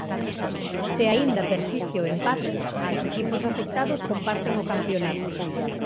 Se aínda persiste o empate o equipos afectados comparten o campionato.